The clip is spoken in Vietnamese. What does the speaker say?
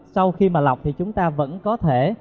sau khi mà lọc thì chúng ta vẫn có thể